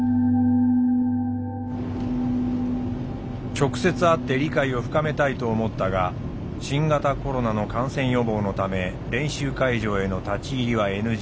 直接会って理解を深めたいと思ったが新型コロナの感染予防のため練習会場への立ち入りはＮＧ。